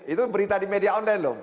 itu berita di media online loh